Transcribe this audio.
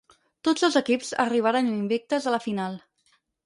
Tots dos equips arribaren invictes a la final.